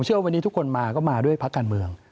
ผมเชื่อว่าทุกคนมามาด้วยภาคการเมือง